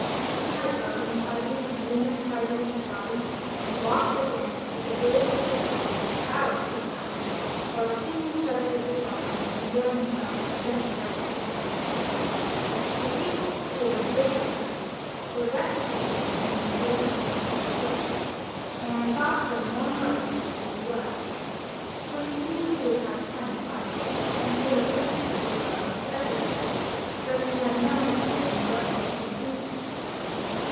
She had boating parties and moonlight parties in her garden, and walked or danced with the gayest of her courtiers for hours at a time, while the king was shut up with his locksmith, enjoying himself as any private person might have done. The people, who were in great distress, were vexed to see the queen enjoying herself in this way, and thought her more heartless than she really was, for she seems to have had a kind heart, and to have wished well to everybody, though she had no idea in what way to please them.